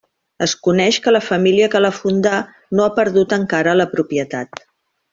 Es coneix que la família que la fundà no ha perdut encara la propietat.